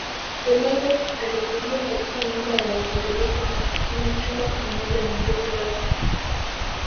Ronaldo alikulia katika nyumba ya Wakatoliki masikini chumba kimoja na ndugu zake